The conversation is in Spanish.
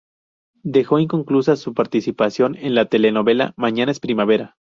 Dejó inconclusa su participación en la telenovela "Mañana es primavera".